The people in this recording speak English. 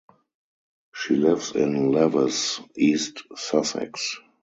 She lives in Lewes, East Sussex.